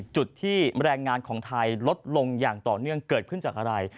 จุดที่แรงงานของไทยลดลงอย่างต่อเนื่องเกิดขึ้นจากอะไร